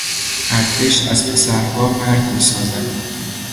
ارتش از پسرها مرد میسازد.